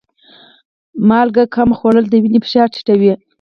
مالګه کم خوړل د وینې فشار ټیټوي.